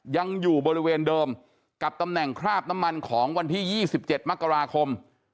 ยังอยู่บริเวณเดิมกับตำแหน่งคราบน้ำมันของวันที่๒๗มกราคม